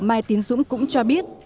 mai tiến dũng cũng cho biết